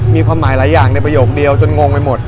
มีความหมายหลายอย่างในประโยคเดียวจนงงไปหมด